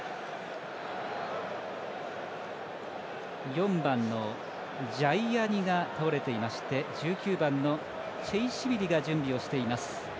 ４番、ジャイアニが倒れていまして１９番のチェイシビリが準備をしています。